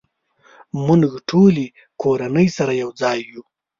مونږ ټولې کورنۍ سره یوځای یو